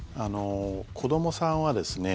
子どもさんはですね